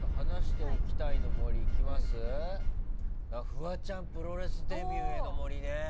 フワちゃんプロレスデビューへの森ね。